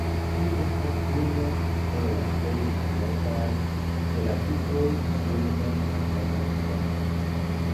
Tiu estas unu el la plej malnovaj terapioj, kiujn la homo konas.